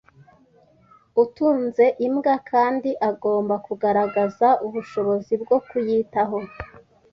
Utunze imbwa kandi agomba kugaragaza ubushobozi bwo kuyitaho